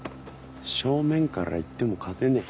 正面からいっても勝てねえ。